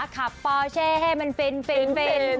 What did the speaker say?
ขับปอเช่ให้มันเป็น